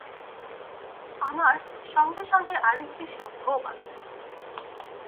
আমার সঙ্গে সঙ্গে আর-একটি সভ্যও পাবেন।